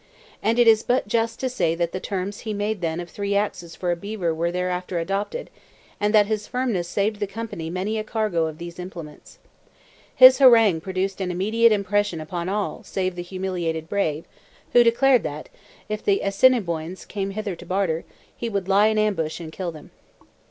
And it is but just to say that the terms he then made of three axes for a beaver were thereafter adopted, and that his firmness saved the Company many a cargo of these implements. His harangue produced an immediate impression upon all save the humiliated brave, who declared that, if the Assiniboines came hither to barter, he would lie in ambush and kill them.